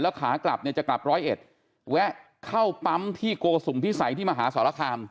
ขากลับเนี่ยจะกลับร้อยเอ็ดแวะเข้าปั๊มที่โกสุมพิสัยที่มหาสรคาม